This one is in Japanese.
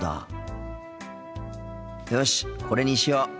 よしこれにしよう。